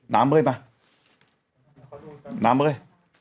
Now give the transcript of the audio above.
น้ำเบล์บะน้ำเบล์